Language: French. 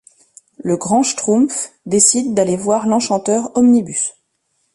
Le Grand Schtroumpf décide d'aller voir l'enchanteur Homnibus.